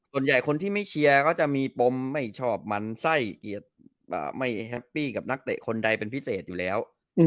ส่วนใหญ่คนที่ไม่เชียร์ก็จะมีปมไม่ชอบมันไส้เอียดไม่แฮปปี้กับนักเตะคนใดเป็นพิเศษอยู่แล้ว